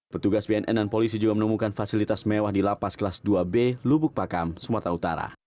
petugas bnn dan polisi juga menemukan fasilitas mewah di lapas kelas dua b lubuk pakam sumatera utara